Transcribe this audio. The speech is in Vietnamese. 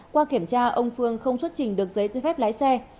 qua kiểm tra ông phương không xuất trình được giấy tư phép lái xe